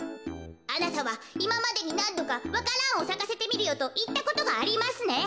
あなたはいままでになんどかわか蘭をさかせてみるよといったことがありますね？